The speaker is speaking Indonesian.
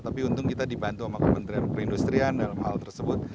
tapi untung kita dibantu sama kementerian perindustrian dalam hal tersebut